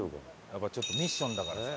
やっぱちょっとミッションだからさ。